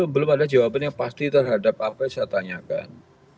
belum ada jawaban yang pasti terhadap apa yang saya tanyakan